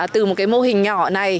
từ một mô hình nhỏ này